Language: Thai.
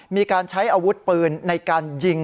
มีการใช้อาวุธปืนในการยิง